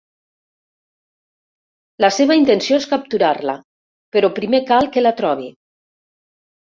La seva intenció és capturar-la, però primer cal que la trobi.